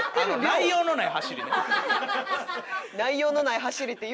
内容のない。